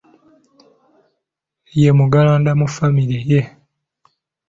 Ye muggalanda mu famire ye